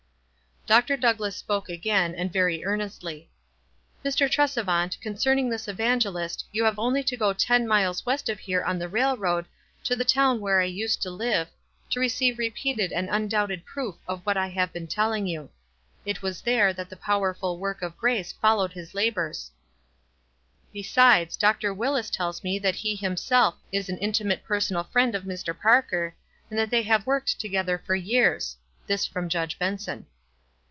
Dr. Douglass spoke again, and very earn estly,— "Mr. Tresevant, concerning this evangelist you have only to go ten miles west of here on the railroad, to the town where I used to live, WISE AND OTHERWISE. 317 to receive repeated and undoubted proof of what I have been telling you. It was there that the powerful work of grace followed his labors." "Besides, Dr. Willis tells me that he himself is an intimate personal friend of Mr. Parker, and that they have worked together for years." This from Judge Benson.